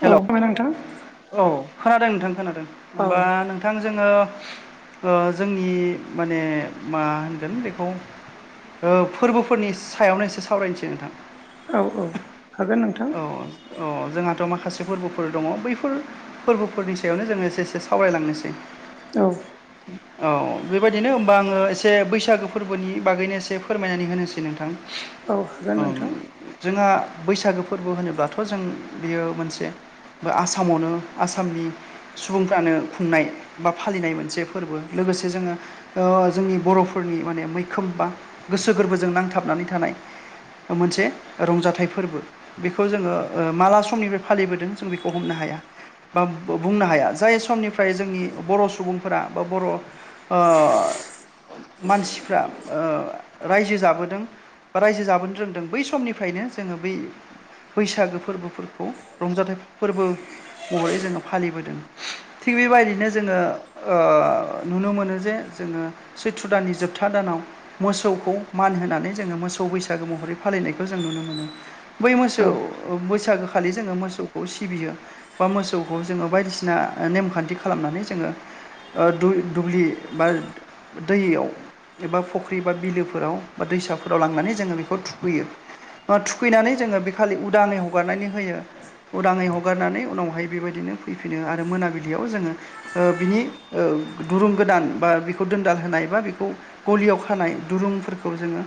हेल' औ मा नोथां? औ खोनादों नोंथां खोनादों औ होमबा नोंथ थां जोङो ओ जोंनि माने मा होनगोन बेखौ ओ फोरबोफोरनि सायावनो एसे सावरायनोसै नोंथां औ औ हागोन नोंथां। अ जोंहा माखासे फोरबोफोर दङ बैफोर फोरबोफोरनि सायावनो जोङो एसे एसे सावरायलांनोसै औ। [unintelligible] औ बेबायदिनो होमबा आङो एसे बैसागो फोरबोनि बागैनो एसे फोरमायनानै होनोसै नोंथां औ हागोन ओम नोंथां जोंहा बैसागो फोरबो होनोब्लाथ' जों बेयो मोनसे आसामावनो आसामनि सुबुंफ्रानो खुंनाय बा फालिनाय मोनसे फोरबो लोगोसे जोङो ओ जोंनि बर'फोरनि माने मैखोम बा गोसो गोरबोजों नांथाबनानै थानाय ओ मोनसे रंजाथाइ फोरबो बेखौ जोङो ओ माला स समनिफ्राय फालिबोदों जों बेखौ हमनो हाया बा बुंनो हाया जाय समनिफ्राय जोंनि बर' सुबुंफोरा बा बर' ओ मानसिफ्रा ओ रायजो जाबोदों बा रायजो जाबोनो रोंदों बै समनिफ्रायनो जोङो बै बैसागो फोरबो खौ रंजाथाइ फोरबो महरै जोङो फालिबोदों। थिग बेबायदिनो जोङो ओ नुनो मोनो जे जोङो सैथ्र दाननि जोबथा दानाव मोसौखौ मान होनानै जोङो मोसौ बैसागो महरै फालिनायखौ जों नुनो मोनो बै मोसौ औ बैसागोखालि जोङो मोसौखौ सिबियो बा मोसौखौ जोङो बायदिसिना नेमखान्थि खालामनानै जोङो ओ दु-दुब्लि बा दैयाव एबा फख्रि बा बिलोफोराव बा दैसाफोराव लांनानै जोङो बेखौ थुखैयो ओ थुखैनानै जोङो बे खालि उदाङै हगारनायनि होयो उदाङै हगारनानै उनावहाय बेबायदिनो फैफिनो आरो मोनाबिलियाव जोङो ओ बिनि ओ दुरुं गोदान बा बिखौ दोनदाल होनाय बा बेखौ गलियाव खानाय दुरुंफोरखौ जोङो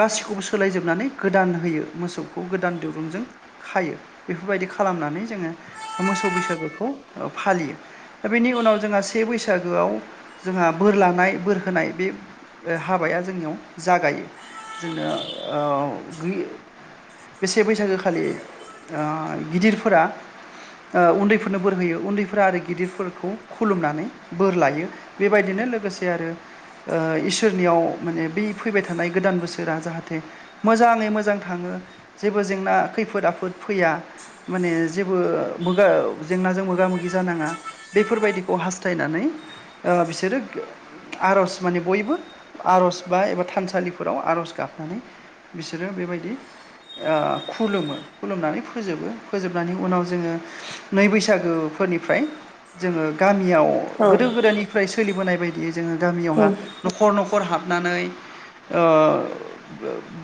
गासिखौबो सोलायजोबनानै गोदान होयो मोसौखौ गोदान दिरुंजों खायो बेफोरबायदि खालामनानै जोङो मोसौ बैसागोखौ फालियो दा बेनि उनाव जोंहा से बैसागोआव जोंहा बोर लानाय बोर होनाय बे ओ हाबाया जोंनियाव जागायो जोंनो ओ बि बे से बैसागो खालि ओ गिदिरफोरा ओ उन्दैफोरनो बोर होयो उन्दैफोरा आरो गिदिरफोरखौ खुलुमनानै बोर लायो। बेबायदिनो लोगोसे आरो ओ इसोरनियाव माने बै फैबाय थानाय गोदान बोसोरा जाहाथे मोजाङै मोजां थाङो जेबो जेंना खैफोद आफोद फैया माने जेबो मोगा जेंनाजों मोगा मोगि जानाङा बेफोरबायदिखौ हास्थायनानै ओ बिसोरो आर'ज माने बयबो आर'ज बा एबा थानसालिफोराव आर'ज गाबनानै बिसोरो बेबायदि ओ खुलुमो खुलुमनानै फोजोबो फोजोबनानै उनाव जोङो नै बैसागोफोरनिफ्राय जोङो गामियाव औ गोदो गोदायनिफ्राय सोलिबोनाय बायदियै जोङो गामियावहा औ न'खर न'खर हाबनानै ओ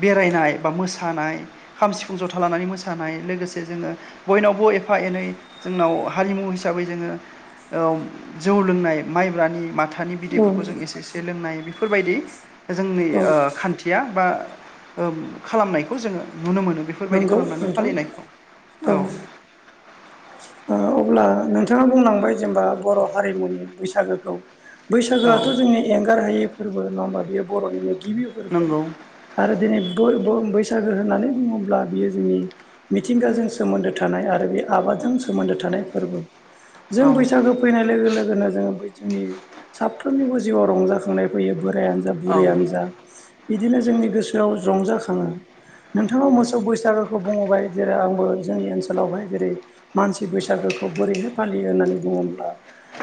बेरायनाय बा मोसानाय खाम सिफुं जथा लानानै मोस सानाय लोगोसे जोङो बयनावबो एफा एनै जोंनाव हारिमु हिसाबै जोङो औ जौ लोंनाय माइब्रानि माथानि बिदैफोरखौ जों औ एसे एसे जे लोंनाय बेफोरबायदि जोंनि ओ खान्थिया बा ओ खालामनायखौ जोङो नुनो मोनो बेफोरबायदि नंगौ खालामनानै नोंथां औ फालिनायखौ ओ औ अब्ला नोंथाङा बुंलांबाय जेनेबा बर' हारिमुनि बैसागोखौ बैसागोआथ' औ जोंनि एंगार हायै फोरबो नङा होमबा बेयो बर'निनो गिबि फोरबो नंगौ आरो दिनै बयबो बैसागो होननानै बुङोब्ला बियो जोंनि मिथिंगाजों सोमोन्दो थानाय आरो बे आबादजों सोमोन्दो थानाय फोरबो जों औ बैसागो फैनाय लोगो लोगोनो जोङो बै जोंनि साफ्रोमनिबो जिउआव रंजाखांनाय फैयो बोरायानो जा औ बुरैयानो जा बिदिनो जोंनि गोसोआव रंजाखाङो। नोंथाङा मोसौ बैसागोखौ बुंबाय जेला आंबो जोंनि ओनसोलावहाय जेरै मानसि बैसागो खौ बोरैहाय फालियो होननानै बुङोब्ला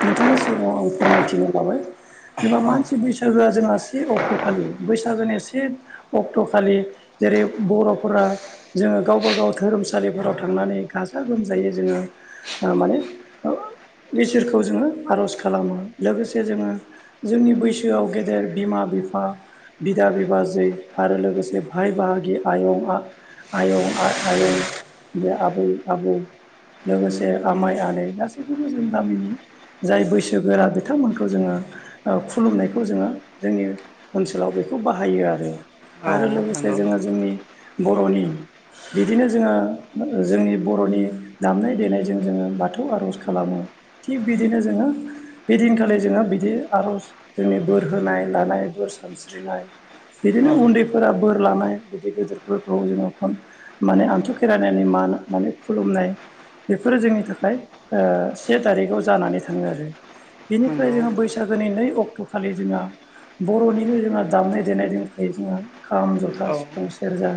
नोंथांनि सिगाङाव आं फोरमायथिनो लाबाय जेनबा औ मानसि बैसागोआ जोंहा से अक्ट'खालि बैसागोनि से अक्ट'खालि जेरै बर'फोरा जोङो गावबा गाव धोरोमसालिफोराव थांनानै गाजा गोमजायै जोङो ओ माने ओ इसोरखौ जोङो आर'ज खालामो लोगोसे जोङो जोंनि बैसोआव गेदेर बिमा बिफा बिदा बिबाजै आरो लोगोसे भाय बाहागि आयं आ आयं आं आयं बे आबै आबौ लोगोसे आमाय आनै गासैखौबो जों गामिनि जाय बैसोगोरा बिथांमोनखौ जोङो ओ खुलुमनायखौ जोङो जोंनि ओनसोलाव बेखौ बाहायो आरो औ आरो लोगोसे नंगौ जोङो जोंनि बर'नि बिदिनो जोङो जोंनि बर'नि दामनाय देनायजों जोङो बाथौ आर'ज खालामो थिग बिदिनो जोङो बे दिनखालि जोङो बिदि आर'ज जोंनि बोर होनाय लानाय बोर सानस्रिनाय बिदिनो औ उन्दैफोरा बोर लानाय गिदिर गिदिरफोरखौ जोङो खन माने आन्थु खेरायनि मान माने खुलुमनाय फोरो जोंनि थाखाय ओ से थारिखाव जानानै थाङो आरो बेनिफ्राय नंगौ जोङो बैसाग बैसागोनि नै अक्ट'खालि जोंहा बर'निनो जोंहा दामनाय देनाय दंखायो जोंहा खाम जथा औ सिफुं सेरजा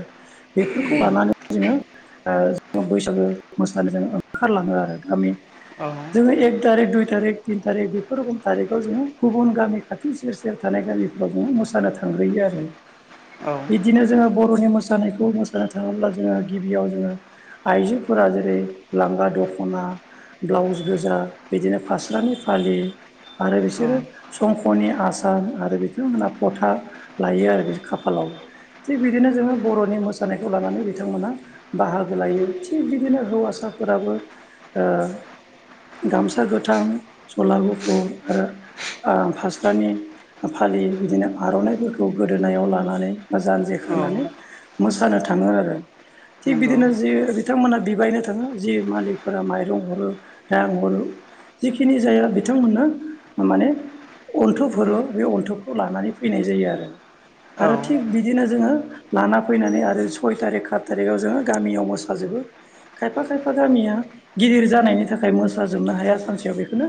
बेफोरखौ लानानै जोङो ओ ज' बैसागो मोसानो जों ओखारलाङो आरो गामि औ जोङो एक थारिख दुइ थारिख थिन थारिख बेफोर रखम थारिकाव जोङो गुबुन गामि खाथि सेर सेर थानाय गामिफ्राव जोङो मोसानो थांग्रोयो आरो [inaudible] बेदिनो जोङो बर'नि मोसानायखौ मोसानो थाङोब्ला जोङो गिबियाव जोङो आइजोफोरा जेरै लांगा दख'ना ब्लाउस गोजा बिदिनो फास्रानि फालि आरो बिसोरो संख'नि आसान आरो बिथांमोना फथा लायो आरो बे खाफालाव थिग बिदिनो जोङो बर'नि मोसानायखौ लानानै बिथांमोना बाहागो लायो थिग बिदिनो हौवासाफोराबो ओ गामसा गोथां सला गुफुर आरो ओ फास्रानि फालि बिदिनो आर'नाइफोरखौ गोदोनायाव लानानै जान्जि औ खानानै मोसानो थाङो आरो थिग नंगौ बिदिनो जि बिथांमोनहा बिबायनो थाङो जि मालिखफोरा माइरं हरो रां हरो जिखिनि जाया बिथांमोननो माने अन्थफ हरो बे अन्थखौ लानानै फैनाय जायो आरो औ आरो थिग बि बिदिनो जोङो लाना फैनानै आरो सय थारिख सात थारिखाव जोङो गामियाव मोसाजोबो खायफा खायफा गामिया गिदिर जानायनि थाखाय मोसाजोबनो हाया सानसेयाव बेखौनो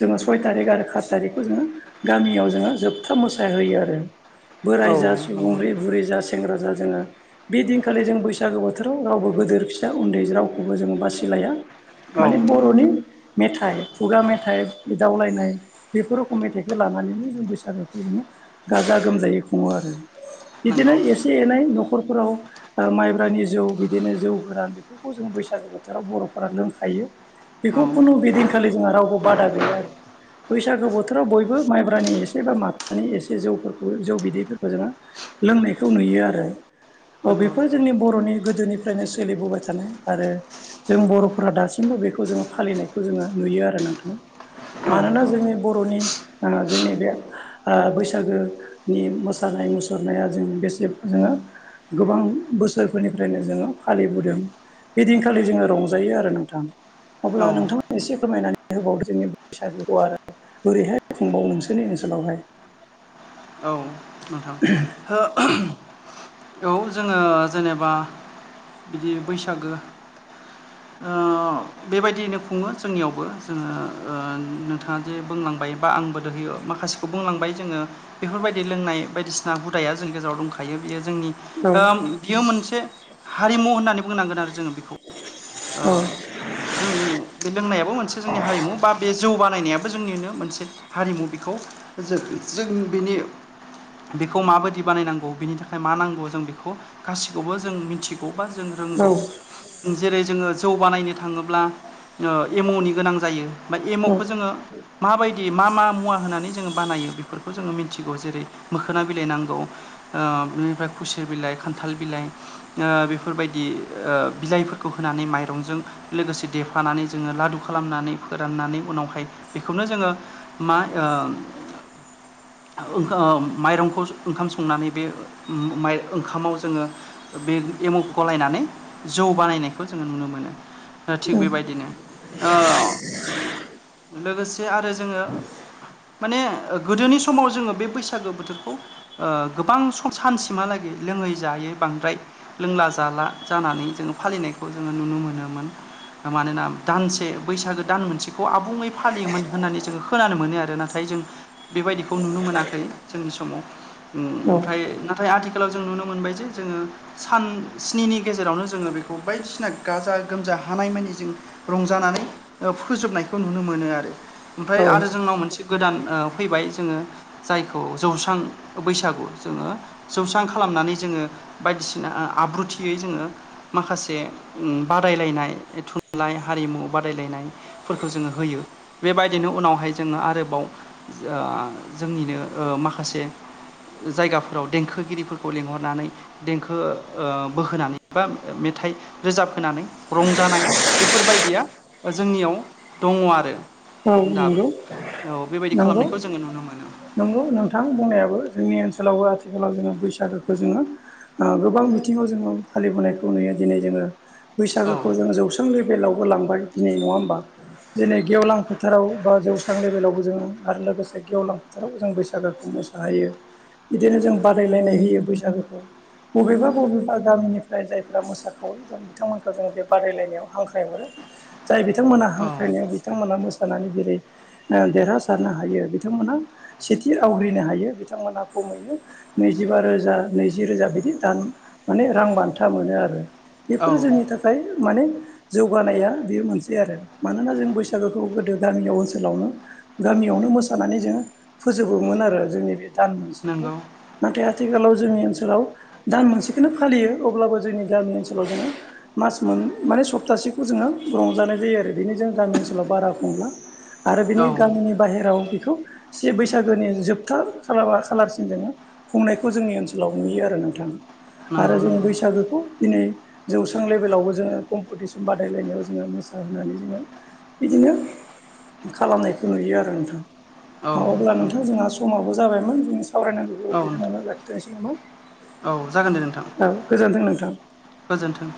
जोङो सय थारिख आरो खात थारिखखौ जोङो गामियाव जोङो जोबथा मोसाहोयो आरो औ बोराय जा सुबुं नंगौ बुरै जास सेंग्रा जा जोङो बे दिनखालि जों बैसागो बोथोराव रावबो गोदोर फिसा उन्दै राव खौबो जोंङो बासिलाया औ माने बर'नि मेथाइ खुगा मेथाइ एदावलायनाइ बेफोर रखम मेथाइखौ लानानैनो जों बैसागोखौ जोङो गाजा गोमजायै खुङो आरो बिदिनो नंगौ एसे एनै नखरफोराव माइब्रानि जौ बिदिनो जौ गोरान बेफोरखौ जों बै सागु बोथोराव बरफोरा लोंखायो औ बेखौ खुनु बेदिनखालि जोंहा रावबो बादा गैया आरो बैसागो बोथोराव बयबो माइब्रानि एसे माथानि एसे जौफोरखौ जौ बिदैफोरखौ जोङो लोंनायखौ नुयो आरो औ नंगौ बेफोर जोंनि बरनि गोदोनिफ्रायनो सोलिबोबाय थानाय आरो जों बर'फोरा दासिमबो बेखौ जोङो फालिनायखौ जोङो नुयो आरो नोंथां मानोना जोंनि बर'नि ओ जोंनि बे ओ बैसागोनि मोसानाय मुसुरनाया जों बेसे जोङो गोबां बोसोरफोरनिफ्रायनो जोङो फालिबोदों बेदि खालि जोङो रंजायो आरो नोंथां अब्ला औ औ नोंथां एसे फोरमायनानै होबावो जोंनि बैसागोखौ आरो बोरैहाय खुंबावो नोंसोरनि ओनसोलावहाय औ नोंथां औ जोङो जेनेबा बिदि बैसागो ओ बेबायदियैनो खुङो जोंनियावबो जोङो ओ नोंथाङा जे बुंलांबाय बा आंबो दोहयो माखासेखौ बुंलांबाय जोङो बेफोरबायदि लोंनाय बायदिसिना हुदाया जोंनि गेजेराव दंखायो बियो जोंनि औ ओम बियो मोनसे हारिमु होननानै बुंनांगोन आरो जोङो बेखौ ओ औ जों बे लोंनायाबो मोनसे जोंनि हारिमु बा बे जौ बानायनायाबो जोंनिनो मोनसे हारिमु बेखौ जो जों बेनि बेखौ माबायदि बानायनांगौ बिनि थाखाय मा नांगौ जों बेखौ गासिखौबो जों मिथि बबा जों औ रोंगौ जेरै जोङो जौ बानायनो थाङोब्ला ओ एमनि गोनां जायो बा एमखौ जोङो माबायदि मा मा मुवा होननानै जोङो बानायो बेफोरखौ जोङो मिथिगौ जेरै मोखोना बिलाइ नांगौ ओ बिनिफ्राय खुसेर बिलाइ खान्थाल बिलाइ ओ बेफोरबायदि ओ बिलाइफोर खौ होनानै माइरंजों लोगोसे देफानानै जोङो लादु खालामनानै फोराननानै उनावहाय बेखौनो जोङो मा ओ ओम माइरंखौ ओंखाम संनानै बे माइ ओंखामाव जोङो बे एमु गलायनानै जौ बानायनाय खौ जोङो नुनो मोनो ओ थिग बेबायदिनो ओ लोगोसे आरो जोङो माने ओ गोदोनि समाव जोङो बे बैसागो बोथोरखौ गोबां सानसिमहालागै लोङै जायै बांद्राय लोंला जाला जानानै जोङो फालिनायखौ जोङो नुनो मोन्दोंमोन मानोना दानसे बैसागो दान मोनसेखौ आबुङै फालियोमोन होननानै जोङो खोनानो मोनो आरो ना नाथाय जों बेबायदिखौ नुनो मोनाखै जोंनि समाव उम ओमफ्राय नाथाय आथिखालाव जों नुनो मोनबाय जे जोङो सान स्निनि गेजेरावनो जोङो बेखौ बायदिसिना गाजा गोमजा हानाय मानि जों रंजानानै ओ फोजोबनायखौ नुनो मोनो आरो ओमफ्राय औ आरो औ जोंनाव मोनसे गोदान ओ फैबाय जोङो जायखौ जौस्रां बैसागु जोङो जौस्रां खालामनानै जोङो बायदिसिना आब्रुथियै जोङो माखासे जे बादायलायनाय थुनलाइ हारिमु बादायलायनाय फोरखौ जोङो होयो बेबायदिनो उनावहाय जोङो आरोबाव जा जोंनिनो ओ माखासे जायगाफोराव देंखोगिरिफोरखौ लिंहरनानै देंखो ओ बोहोनानै बा मेथाइ रोजाब होनानै रंजानाय बेफोरबायदिया जोंनियाव दङ आरो दाबो नंगौ औ बेबायदि नंगौ खालामनायखौ जोङो नुनो मोनो नंगौ नोंथां बुंनायाबो जोंनि ओनसोलावबो आथिखालाव जोङो बैसागोखौ ओ गोबां बिथिङाव जोङो फालिबोनायखौ नुयो दिनै जोङो औ बैसागोखौ जोंङो जौस्रां लेभेलावबो लांबाय दिनै नङा होमबा दिनै गेवलां फोथाराव बा जौस्रां लेभेलावबो जोङो आरो लोगोसे गेवलां फोथाराव जों बैसागोखौ मोसाहोयो बिदिनो जों बादायलायनाय होयो बैसागोखौ बबेबा बबेबा गामिनिफ्राय जायफ्रा मोसाखावरि दं बिथांमोनखौ जोङो बे बादायलायनायाव हांख्राय हरो जाय बिथांमोनहा औ हांख्रायनाया बिथांमोना मोसा सानानै जेरै देरहासारनो हायो बिथांमोना सेथि आवग्रिनो हायो बिथांमोनहा खमैनो नैजिबा रोजा नैजि रोजा बिदि दान माने रां बान्था मोनो आरो बेफोरो औ जोंनि थाखाय माने जौगानाया बेयो मोनसे आरो मानोना जों बैसागोखौ दो गामियाव ओनसोलावनो गामियावनो मोसानानै जोङो फोजोबोमोन आरो जोंनि बे दान मोनसेखौ नंगौ नाथाय आथिखालाव जोंनि ओनसोलाव दान मोनसेखोनो फालियो अब्लाबो जोंनि गामि ओनसोलाव जोङो मास मोन माने सप्तासेखौ जोङो रंजानाय जायो आरो बेनो जों गामि ओनसोलाव बारा आरो औ बिनि गामिनि बाहेराव बेखौ से बैसागोनि जोबथा खारा खालारसिन जोङो खुंनायखौ जोंनि ओनसोलाव नुयो आरो नोंथां नंगौ आरो जों नंगौ बैसागोखौ दिनै जौस्रां लेभेलावबो जोङो कम्पिटिसन बादायलायनायाव जोङो मोसाहोनानै जोङो बिदिनो खालामनायखौ नुयो आरो नोंथां औ अब्ला नंगौ नोंथां जोंहा समाबो जाबायमोन जों सावरायनांगौखौ औ बिखिनियावनो लाखिथनोसै नामा औ जागोन दे नोंथां औ गोजोनथों नोंथां गोजोन्थों